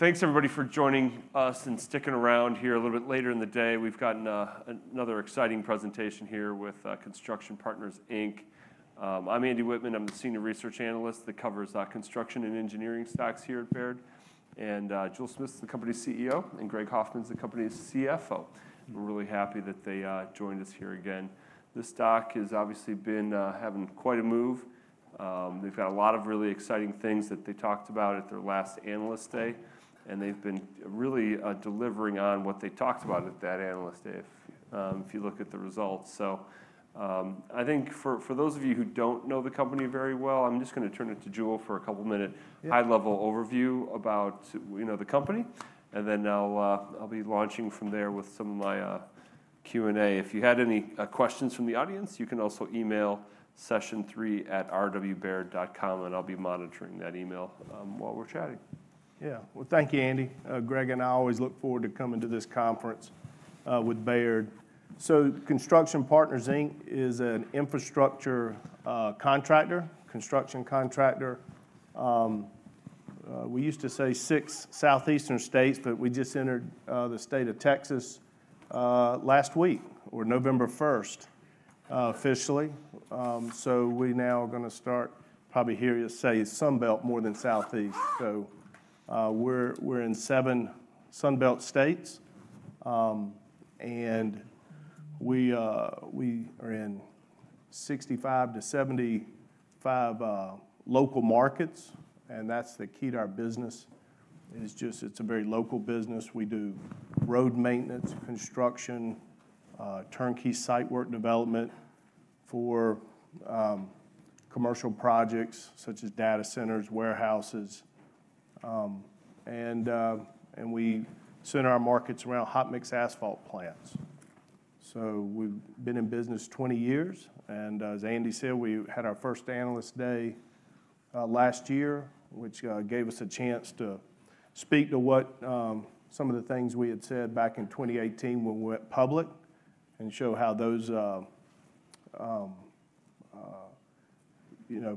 Thanks, everybody, for joining us and sticking around here a little bit later in the day. We've got another exciting presentation here with Construction Partners, Inc. I'm Andy Wittmann. I'm the senior research analyst that covers construction and engineering stocks here at Baird. And Jule Smith's the company's CEO, and Greg Hoffman's the company's CFO. We're really happy that they joined us here again. This stock has obviously been having quite a move. They've got a lot of really exciting things that they talked about at their last analyst day, and they've been really delivering on what they talked about at that analyst day if you look at the results. So I think for those of you who don't know the company very well, I'm just going to turn it to Jule for a couple-minute high-level overview about the company.. I'll be launching from there with some of my Q&A. If you had any questions from the audience, you can also email session3@rwbaird.com, and I'll be monitoring that email while we're chatting. Yeah. Well, thank you, Andy. Greg and I always look forward to coming to this conference with Baird. So Construction Partners, Inc. is an infrastructure contractor, construction contractor. We used to say six southeastern states, but we just entered the state of Texas last week, or November 1st, officially. So we're now going to start, probably hear you say, Sunbelt more than Southeast. So we're in seven Sunbelt states, and we are in 65-75 local markets. And that's the key to our business. It's a very local business. We do road maintenance, construction, turnkey site work development for commercial projects such as data centers, warehouses. And we center our markets around hot-mix asphalt plants. So we've been in business 20 years. As Andy said, we had our first analyst day last year, which gave us a chance to speak to some of the things we had said back in 2018 when we went public and show how those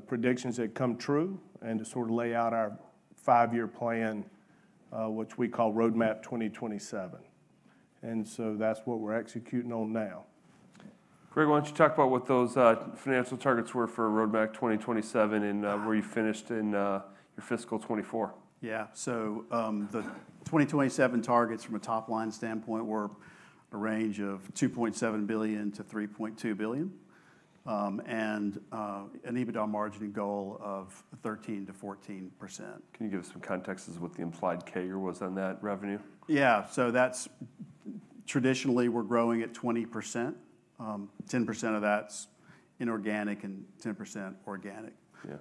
predictions had come true and to sort of lay out our five-year plan, which we call Roadmap 2027. So that's what we're executing on now. Greg, why don't you talk about what those financial targets were for Roadmap 2027 and where you finished in your fiscal 2024? Yeah. So the 2027 targets from a top-line standpoint were a range of $2.7 billion-$3.2 billion and an EBITDA margin goal of 13%-14%. Can you give us some context as to what the implied CAGR was on that revenue? Yeah. So traditionally, we're growing at 20%. 10% of that's inorganic and 10% organic.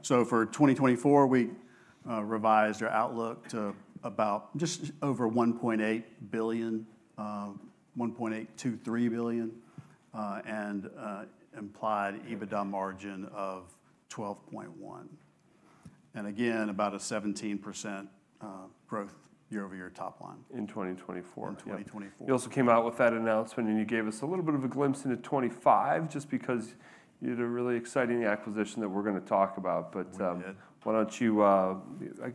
So for 2024, we revised our outlook to about just over $1.8 billion, $1.823 billion, and implied EBITDA margin of 12.1%. And again, about a 17% growth year-over-year top line. In 2024. In 2024. You also came out with that announcement, and you gave us a little bit of a glimpse into 2025 just because you did a really exciting acquisition that we're going to talk about, but why don't you, I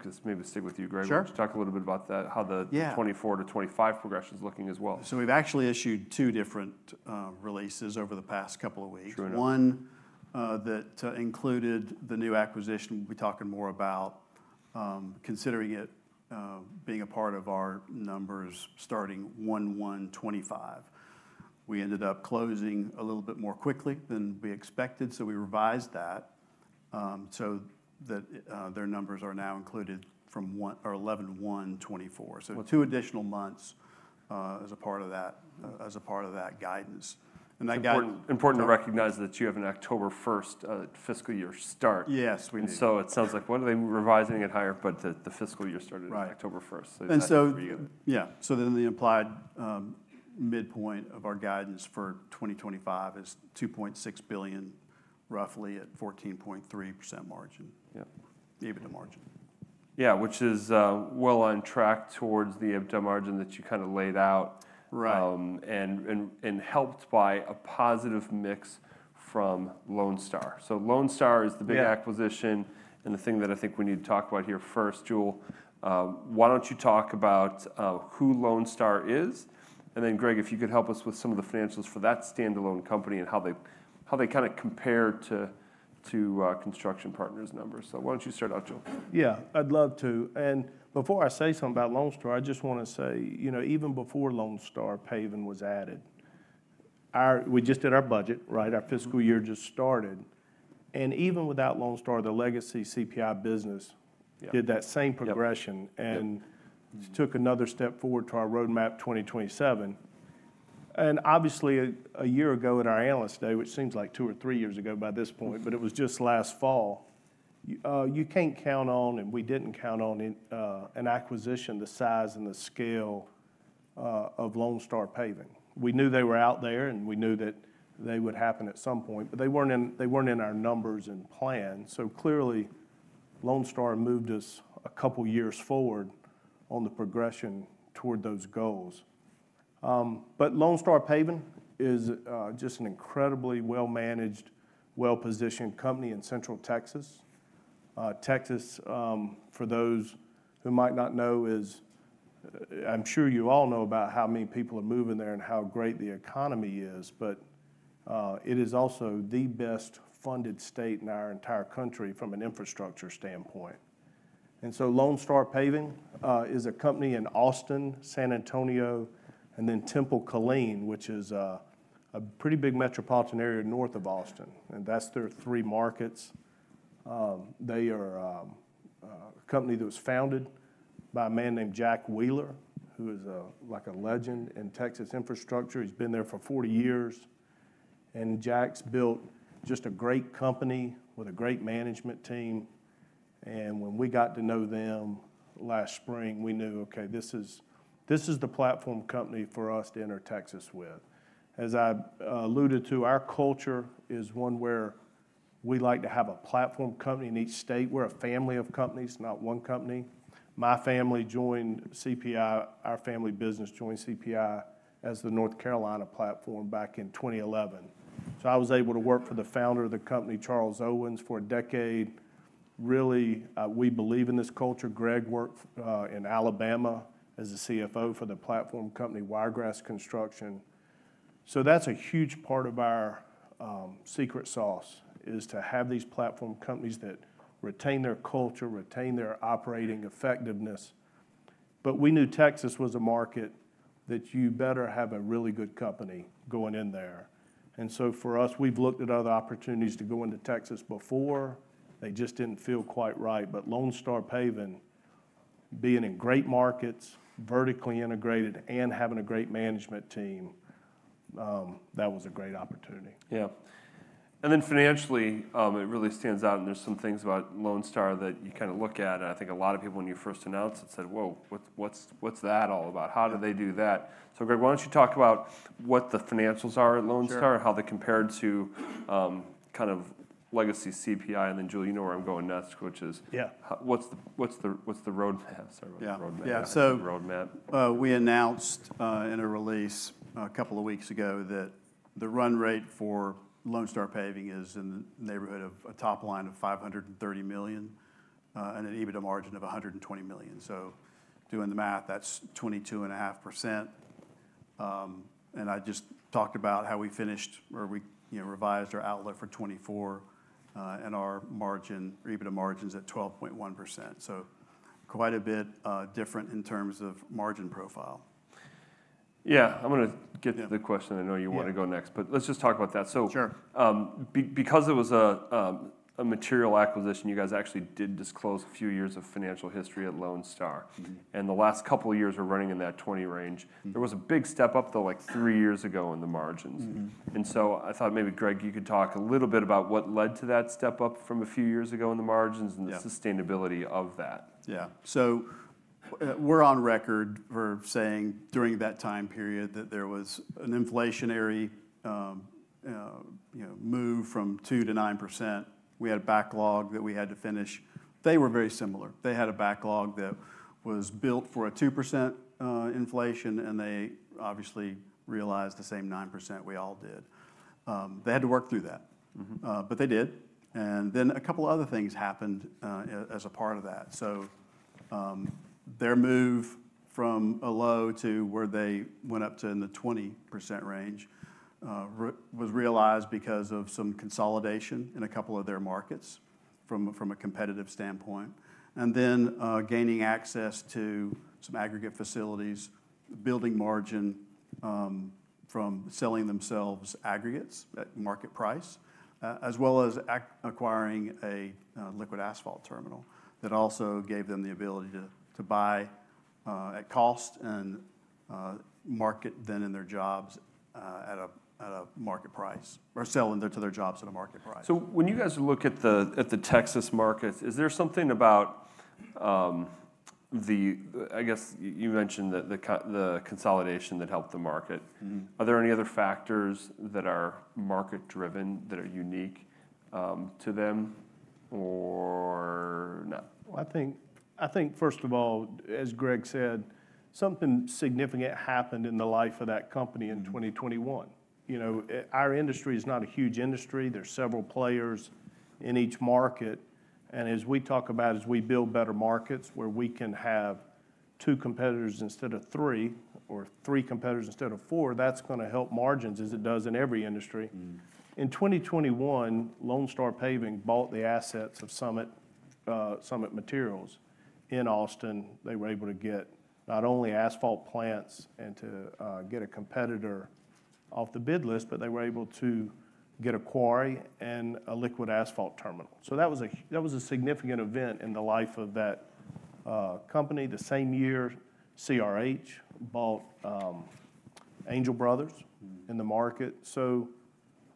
guess maybe stick with you, Greg, just talk a little bit about how the 2024 to 2025 progression's looking as well. So we've actually issued two different releases over the past couple of weeks. True enough. One that included the new acquisition we'll be talking more about, considering it being a part of our numbers starting 1/1/2025. We ended up closing a little bit more quickly than we expected, so we revised that so that their numbers are now included from 11/1/2024, so two additional months as a part of that guidance. Important to recognize that you have an October 1st fiscal year start. Yes. So it sounds like what are they revising at higher, but the fiscal year started October 1st. The implied midpoint of our guidance for 2025 is $2.6 billion, roughly, at 14.3% margin, EBITDA margin. Yeah, which is well on track towards the EBITDA margin that you kind of laid out and helped by a positive mix from Lone Star. So Lone Star is the big acquisition. And the thing that I think we need to talk about here first, Jule, why don't you talk about who Lone Star is? And then, Greg, if you could help us with some of the financials for that standalone company and how they kind of compare to Construction Partners' numbers. So why don't you start out, Jule? Yeah. I'd love to. And before I say something about Lone Star, I just want to say, even before Lone Star Paving was added. We just did our budget, right? Our fiscal year just started. And even without Lone Star, the legacy CPI business did that same progression and took another step forward to our Roadmap 2027. And obviously, a year ago at our analyst day, which seems like two or three years ago by this point, but it was just last fall, you can't count on, and we didn't count on an acquisition the size and the scale of Lone Star Paving. We knew they were out there, and we knew that they would happen at some point, but they weren't in our numbers and plan. So clearly, Lone Star moved us a couple of years forward on the progression toward those goals. But Lone Star Paving is just an incredibly well-managed, well-positioned company in Central Texas. Texas, for those who might not know, is I'm sure you all know about how many people are moving there and how great the economy is, but it is also the best-funded state in our entire country from an infrastructure standpoint. And so Lone Star Paving is a company in Austin, San Antonio, and then Temple, Killeen, which is a pretty big metropolitan area north of Austin. And that's their three markets. They are a company that was founded by a man named Jack Wheeler, who is like a legend in Texas infrastructure. He's been there for 40 years. And Jack's built just a great company with a great management team. And when we got to know them last spring, we knew, okay, this is the platform company for us to enter Texas with. As I alluded to, our culture is one where we like to have a platform company in each state. We're a family of companies, not one company. My family joined CPI, our family business joined CPI as the North Carolina platform back in 2011. So I was able to work for the founder of the company, Charles Owens, for a decade. Really, we believe in this culture. Greg worked in Alabama as the CFO for the platform company, Wiregrass Construction. So that's a huge part of our secret sauce, is to have these platform companies that retain their culture, retain their operating effectiveness. But we knew Texas was a market that you better have a really good company going in there. And so for us, we've looked at other opportunities to go into Texas before. They just didn't feel quite right. But Lone Star Paving, being in great markets, vertically integrated, and having a great management team, that was a great opportunity. Yeah. And then financially, it really stands out. And there's some things about Lone Star that you kind of look at. And I think a lot of people, when you first announced it, said, "Whoa, what's that all about? How do they do that?" So Greg, why don't you talk about what the financials are at Lone Star and how they compare to kind of legacy CPI? And then, Jule, you know where I'm going next, which is what's the roadmap? Yeah. So we announced in a release a couple of weeks ago that the run rate for Lone Star Paving is in the neighborhood of a top line of $530 million and an EBITDA margin of $120 million. So doing the math, that's 22.5%. And I just talked about how we finished or we revised our outlook for 2024 and our EBITDA margins at 12.1%. So quite a bit different in terms of margin profile. Yeah. I'm going to get to the question. I know you want to go next, but let's just talk about that. So because it was a material acquisition, you guys actually did disclose a few years of financial history at Lone Star. And the last couple of years are running in that 20% range. There was a big step up, though, like three years ago in the margins. And so I thought maybe, Greg, you could talk a little bit about what led to that step up from a few years ago in the margins and the sustainability of that. Yeah. So we're on record for saying during that time period that there was an inflationary move from 2% to 9%. We had a backlog that we had to finish. They were very similar. They had a backlog that was built for a 2% inflation, and they obviously realized the same 9% we all did. They had to work through that, but they did. And then a couple of other things happened as a part of that. So their move from a low to where they went up to in the 20% range was realized because of some consolidation in a couple of their markets from a competitive standpoint. And then gaining access to some aggregate facilities, building margin from selling to themselves aggregates at market price, as well as acquiring a liquid asphalt terminal that also gave them the ability to buy at cost and market them in their jobs at a market price or sell into their jobs at a market price. So when you guys look at the Texas markets, is there something about the, I guess you mentioned the consolidation that helped the market? Are there any other factors that are market-driven that are unique to them or not? I think, first of all, as Greg said, something significant happened in the life of that company in 2021. Our industry is not a huge industry. There's several players in each market. And as we talk about, as we build better markets where we can have two competitors instead of three or three competitors instead of four, that's going to help margins as it does in every industry. In 2021, Lone Star Paving bought the assets of Summit Materials in Austin. They were able to get not only asphalt plants and to get a competitor off the bid list, but they were able to get a quarry and a liquid asphalt terminal. That was a significant event in the life of that company. The same year, CRH bought Angel Brothers in the market. So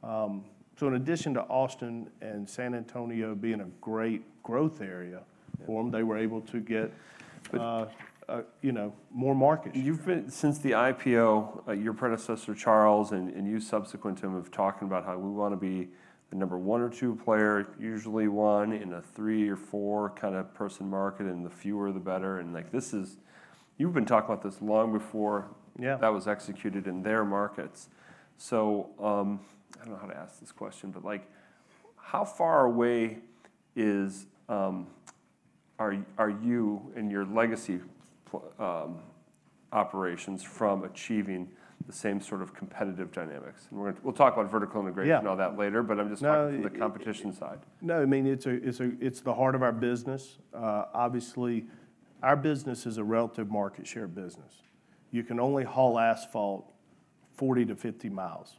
in addition to Austin and San Antonio being a great growth area for them, they were able to get more markets. Since the IPO, your predecessor, Charles, and you subsequent to him have talked about how we want to be the number one or two player, usually one in a three or four kind of person market, and the fewer, the better, and you've been talking about this long before that was executed in their markets, so I don't know how to ask this question, but how far away are you and your legacy operations from achieving the same sort of competitive dynamics, and we'll talk about vertical integration and all that later, but I'm just talking about the competition side. No, I mean, it's the heart of our business. Obviously, our business is a relative market share business. You can only haul asphalt 40-50 miles.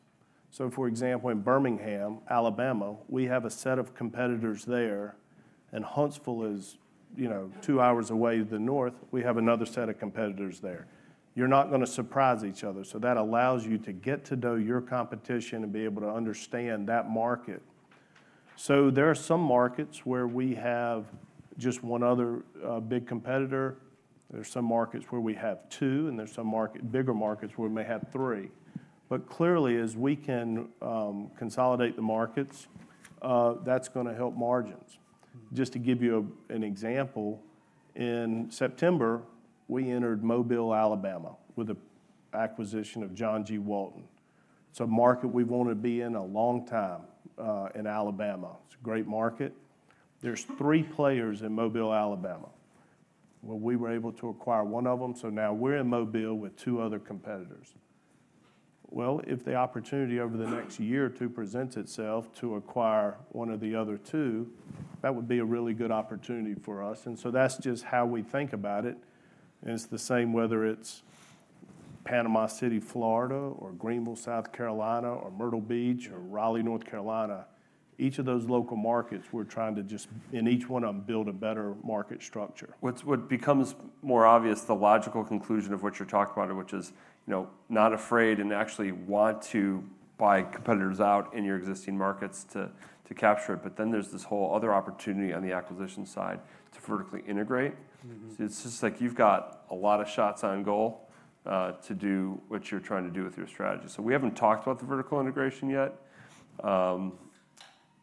So for example, in Birmingham, Alabama, we have a set of competitors there. And Huntsville is two hours away to the north. We have another set of competitors there. You're not going to surprise each other. So that allows you to get to know your competition and be able to understand that market. So there are some markets where we have just one other big competitor. There are some markets where we have two, and there are some bigger markets where we may have three. But clearly, as we can consolidate the markets, that's going to help margins. Just to give you an example, in September, we entered Mobile, Alabama with an acquisition of John G. Walton. It's a market we've wanted to be in a long time in Alabama. It's a great market. There's three players in Mobile, Alabama. We were able to acquire one of them. So now we're in Mobile with two other competitors. If the opportunity over the next year or two presents itself to acquire one of the other two, that would be a really good opportunity for us. That's just how we think about it. It's the same whether it's Panama City, Florida, or Greenville, South Carolina, or Myrtle Beach, or Raleigh, North Carolina. Each of those local markets, we're trying to just, in each one of them, build a better market structure. What becomes more obvious, the logical conclusion of what you're talking about, which is not afraid and actually want to buy competitors out in your existing markets to capture it. But then there's this whole other opportunity on the acquisition side to vertically integrate. It's just like you've got a lot of shots on goal to do what you're trying to do with your strategy. So we haven't talked about the vertical integration yet.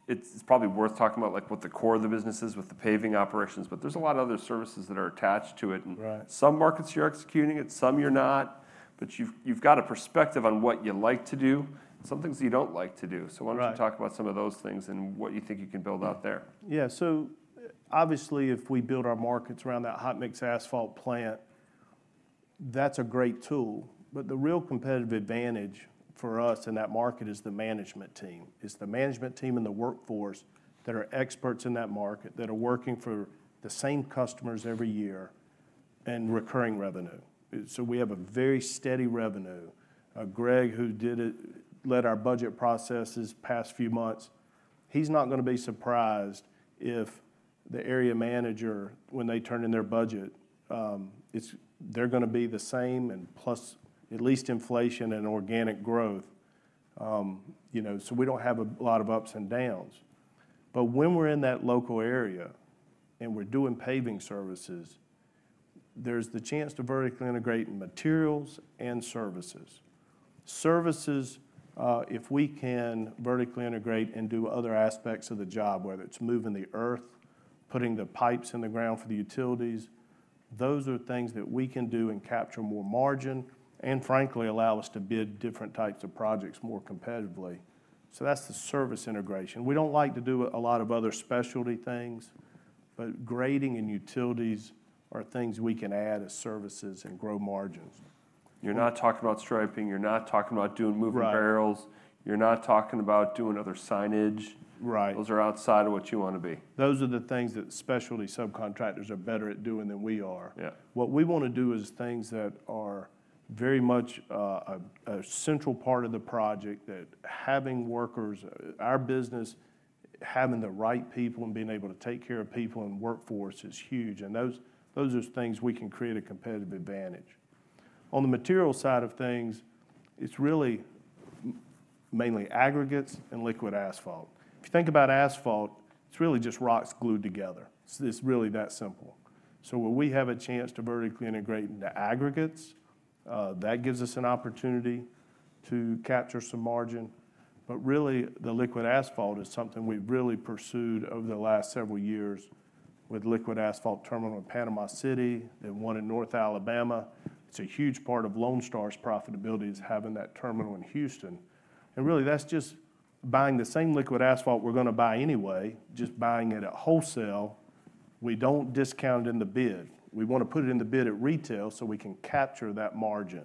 It's probably worth talking about what the core of the business is with the paving operations, but there's a lot of other services that are attached to it. And some markets you're executing it, some you're not, but you've got a perspective on what you like to do and some things you don't like to do. So why don't you talk about some of those things and what you think you can build out there? Yeah, so obviously, if we build our markets around that hot mix asphalt plant, that's a great tool. But the real competitive advantage for us in that market is the management team. It's the management team and the workforce that are experts in that market that are working for the same customers every year and recurring revenue, so we have a very steady revenue. Greg, who led our budget processes past few months, he's not going to be surprised if the area manager, when they turn in their budget, they're going to be the same and plus at least inflation and organic growth, so we don't have a lot of ups and downs. But when we're in that local area and we're doing paving services, there's the chance to vertically integrate materials and services. Services, if we can vertically integrate and do other aspects of the job, whether it's moving the earth, putting the pipes in the ground for the utilities, those are things that we can do and capture more margin and, frankly, allow us to bid different types of projects more competitively. So that's the service integration. We don't like to do a lot of other specialty things, but grading and utilities are things we can add as services and grow margins. You're not talking about striping. You're not talking about doing moving barrels. You're not talking about doing other signage. Those are outside of what you want to be. Those are the things that specialty subcontractors are better at doing than we are. What we want to do is things that are very much a central part of the project that having workers, our business, having the right people and being able to take care of people and workforce is huge. Those are things we can create a competitive advantage. On the material side of things, it's really mainly aggregates and liquid asphalt. If you think about asphalt, it's really just rocks glued together. It's really that simple. So when we have a chance to vertically integrate into aggregates, that gives us an opportunity to capture some margin. But really, the liquid asphalt is something we've really pursued over the last several years with liquid asphalt terminal in Panama City and one in North Alabama. It's a huge part of Lone Star's profitability, having that terminal in Houston. Really, that's just buying the same liquid asphalt we're going to buy anyway, just buying it at wholesale. We don't discount it in the bid. We want to put it in the bid at retail so we can capture that margin.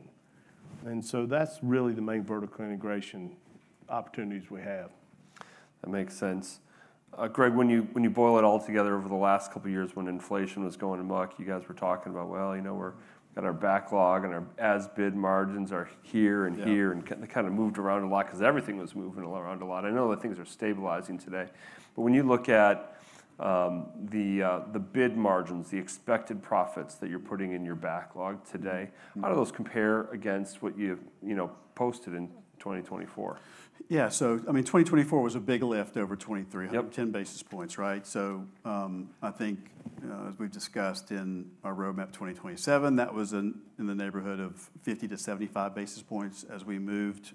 And so that's really the main vertical integration opportunities we have. That makes sense. Greg, when you boil it all together over the last couple of years when inflation was going amok, you guys were talking about, "Well, you know we've got our backlog and our as-bid margins are here and here," and kind of moved around a lot because everything was moving around a lot. I know that things are stabilizing today. But when you look at the bid margins, the expected profits that you're putting in your backlog today, how do those compare against what you've posted in 2024? Yeah. So I mean, 2024 was a big lift over 2023, 110 basis points, right? So I think, as we've discussed in our Roadmap 2027, that was in the neighborhood of 50-75 basis points as we moved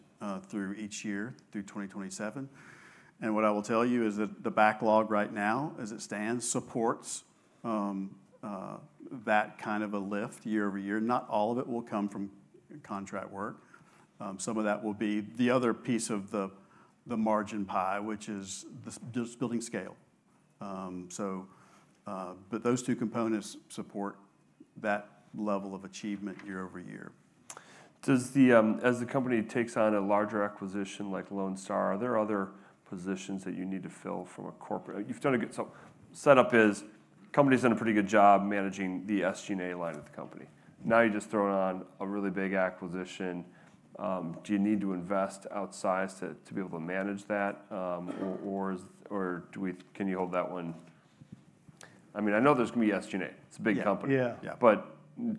through each year through 2027. And what I will tell you is that the backlog right now, as it stands, supports that kind of a lift year-over-year. Not all of it will come from contract work. Some of that will be the other piece of the margin pie, which is just building scale. But those two components support that level of achievement year-over-year. As the company takes on a larger acquisition like Lone Star, are there other positions that you need to fill from a corporate? So setup is company's done a pretty good job managing the SG&A line of the company. Now you're just throwing on a really big acquisition. Do you need to invest outsized to be able to manage that, or can you hold that one? I mean, I know there's going to be SG&A. It's a big company. But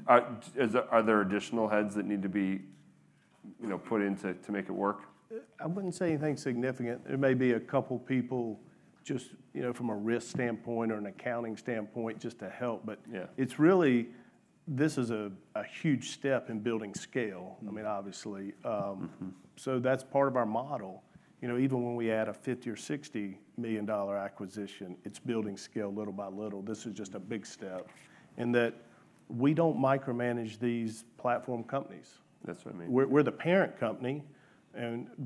are there additional heads that need to be put in to make it work? I wouldn't say anything significant. There may be a couple of people just from a risk standpoint or an accounting standpoint just to help. But it's really, this is a huge step in building scale, I mean, obviously. So that's part of our model. Even when we add a $50 million or $60 million acquisition, it's building scale little by little. This is just a big step in that we don't micromanage these platform companies. That's what I mean. We're the parent company,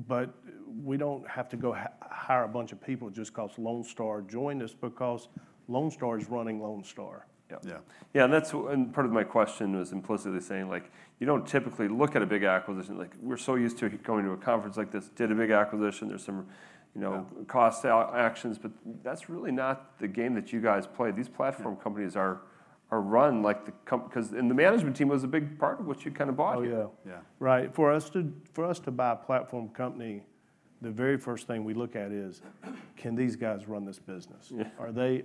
but we don't have to go hire a bunch of people just because Lone Star joined us because Lone Star is running Lone Star. Yeah. And part of my question was implicitly saying you don't typically look at a big acquisition. We're so used to going to a conference like this, did a big acquisition. There's some cost actions, but that's really not the game that you guys play. These platform companies are run like the company because the management team was a big part of what you kind of bought. Oh, yeah. Right. For us to buy a platform company, the very first thing we look at is, can these guys run this business? Are they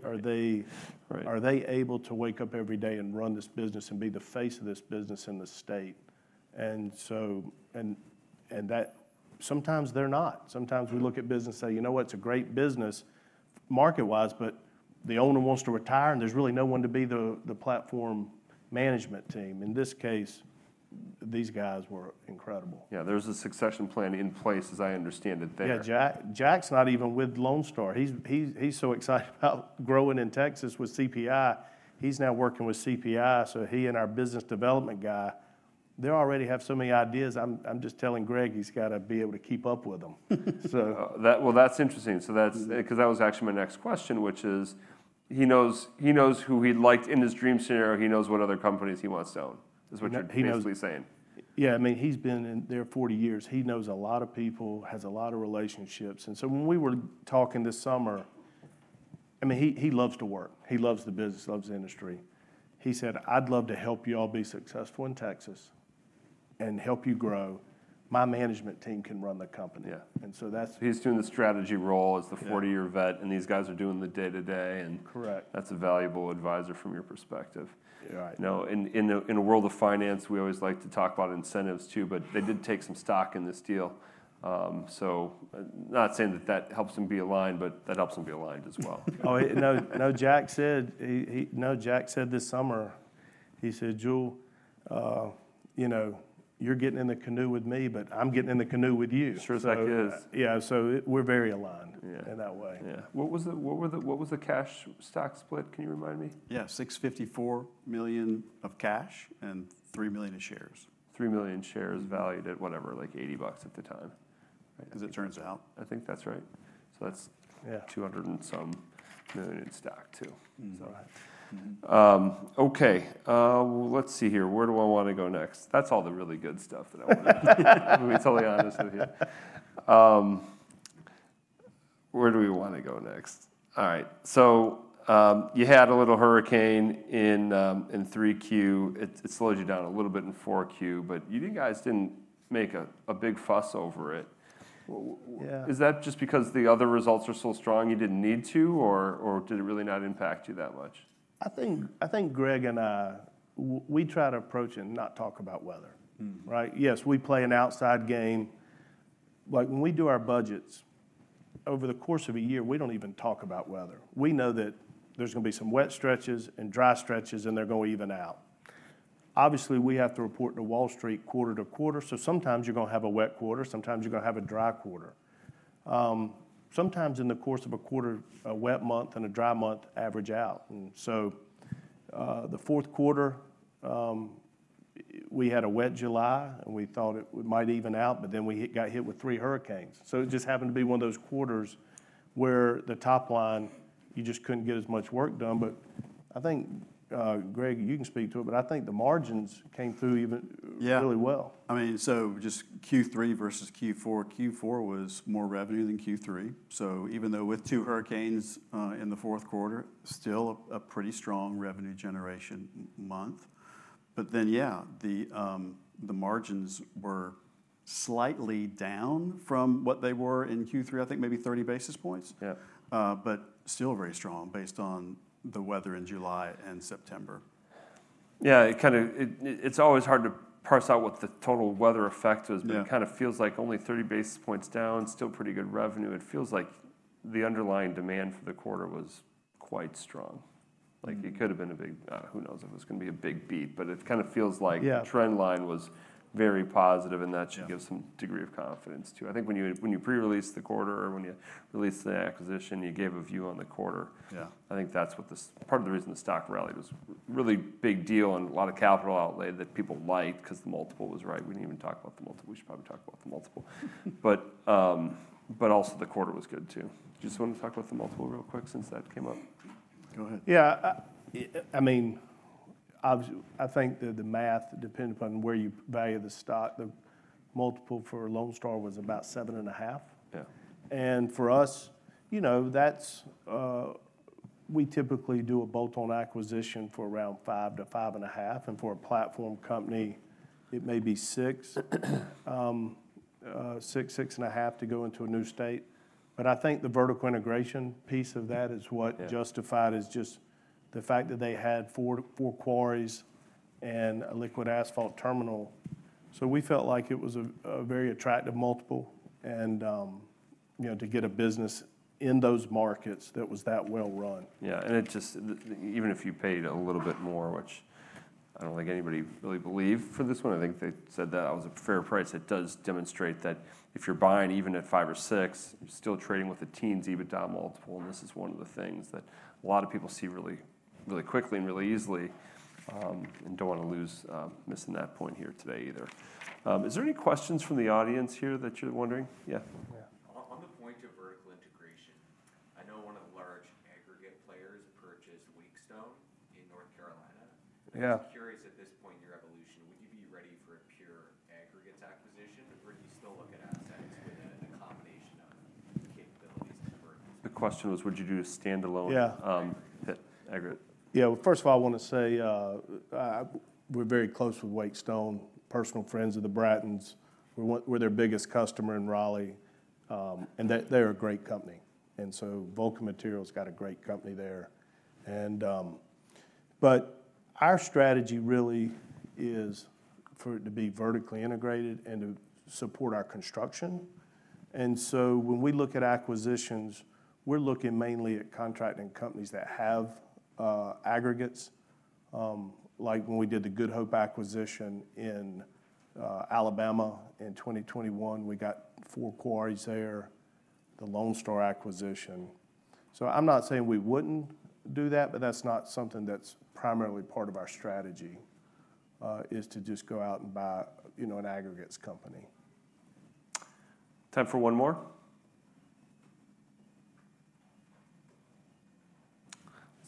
able to wake up every day and run this business and be the face of this business in the state? And sometimes they're not. Sometimes we look at business and say, you know what, it's a great business market-wise, but the owner wants to retire and there's really no one to be the platform management team. In this case, these guys were incredible. Yeah. There's a succession plan in place, as I understand it. Yeah. Jack's not even with Lone Star. He's so excited about growing in Texas with CPI. He's now working with CPI. So he and our business development guy, they already have so many ideas. I'm just telling Greg, he's got to be able to keep up with them. That's interesting because that was actually my next question, which is he knows who he'd like in his dream scenario. He knows what other companies he wants to own. That's what you're basically saying. Yeah. I mean, he's been there 40 years. He knows a lot of people, has a lot of relationships. And so when we were talking this summer, I mean, he loves to work. He loves the business, loves the industry. He said, "I'd love to help you all be successful in Texas and help you grow. My management team can run the company. Yeah. He's doing the strategy role as the 40-year vet, and these guys are doing the day-to-day, and that's a valuable advisor from your perspective. In the world of finance, we always like to talk about incentives too, but they did take some stock in this deal, so not saying that that helps them be aligned, but that helps them be aligned as well. No, Jack said this summer, he said, "Jule, you're getting in the canoe with me, but I'm getting in the canoe with you." Sure as heck is. Yeah, so we're very aligned in that way. Yeah. What was the cash stock split? Can you remind me? Yeah. $654 million of cash and 3 million of shares. 3 million shares valued at whatever, like $80 at the time. As it turns out. I think that's right, so that's $200 and some million in stock too. Okay, well, let's see here. Where do I want to go next? That's all the really good stuff that I want to do. I'm going to be totally honest with you. Where do we want to go next? All right, so you had a little hurricane in 3Q. It slowed you down a little bit in 4Q, but you guys didn't make a big fuss over it. Is that just because the other results are so strong you didn't need to, or did it really not impact you that much? I think Greg and I, we try to approach and not talk about weather, right? Yes, we play an outside game. When we do our budgets over the course of a year, we don't even talk about weather. We know that there's going to be some wet stretches and dry stretches, and they're going to even out. Obviously, we have to report to Wall Street quarter to quarter. So sometimes you're going to have a wet quarter. Sometimes you're going to have a dry quarter. Sometimes in the course of a quarter, a wet month and a dry month average out, and so the fourth quarter, we had a wet July, and we thought it might even out, but then we got hit with three hurricanes. So it just happened to be one of those quarters where the top line, you just couldn't get as much work done. But I think, Greg, you can speak to it, but I think the margins came through even really well. Yeah. I mean, so just Q3 versus Q4. Q4 was more revenue than Q3. So even though with two hurricanes in the fourth quarter, still a pretty strong revenue generation month. But then, yeah, the margins were slightly down from what they were in Q3, I think maybe 30 basis points, but still very strong based on the weather in July and September. Yeah. It's always hard to parse out what the total weather effect was, but it kind of feels like only 30 basis points down, still pretty good revenue. It feels like the underlying demand for the quarter was quite strong. It could have been a big, who knows if it was going to be a big beat, but it kind of feels like the trend line was very positive and that should give some degree of confidence too. I think when you pre-released the quarter or when you released the acquisition, you gave a view on the quarter. I think that's part of the reason the stock rallied was a really big deal and a lot of capital outlay that people liked because the multiple was right. We didn't even talk about the multiple. We should probably talk about the multiple, but also the quarter was good too. Just want to talk about the multiple real quick since that came up. Go ahead. Yeah. I mean, I think that the math depending upon where you value the stock, the multiple for Lone Star was about 7.5. And for us, we typically do a bolt-on acquisition for around 5-5.5. And for a platform company, it may be6-6.5 to go into a new state. But I think the vertical integration piece of that is what justified is just the fact that they had four quarries and a liquid asphalt terminal. So we felt like it was a very attractive multiple to get a business in those markets that was that well run. Yeah. And even if you paid a little bit more, which I don't think anybody really believed for this one, I think they said that was a fair price. It does demonstrate that if you're buying even at five or six, you're still trading with a teens EBITDA multiple. And this is one of the things that a lot of people see really quickly and really easily and don't want to lose missing that point here today either. Is there any questions from the audience here that you're wondering? Yeah. On the point of vertical integration, I know one of the large aggregate players purchased Wake Stone in North Carolina. I'm curious at this point in your evolution, would you be ready for a pure aggregate acquisition, or do you still look at assets within a combination of capabilities and verticals? The question was, would you do a standalone aggregate? Yeah. First of all, I want to say we're very close with Wake Stone. Personal friends of the Brattons. We're their biggest customer in Raleigh, and they're a great company. And so Vulcan Materials got a great company there. But our strategy really is for it to be vertically integrated and to support our construction. And so when we look at acquisitions, we're looking mainly at contracting companies that have aggregates. Like when we did the Good Hope acquisition in Alabama in 2021, we got four quarries there, the Lone Star acquisition. So I'm not saying we wouldn't do that, but that's not something that's primarily part of our strategy is to just go out and buy an aggregates company. Time for one more?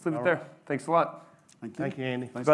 Let's leave it there. Thanks a lot. Thank you. Thank you, Andy.